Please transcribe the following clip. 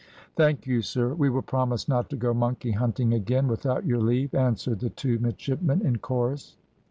"`Thank you, sir. We will promise not to go monkey hunting again, without your leave,' answered the two midshipmen in chorus.